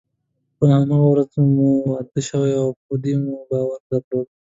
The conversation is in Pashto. په هماغه ورځ مو واده شوی او په دې مو باور درلود.